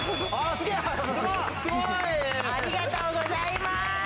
ありがとうございます。